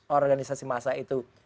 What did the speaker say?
organisasi masa itu